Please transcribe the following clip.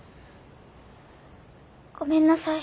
ごめんなさい。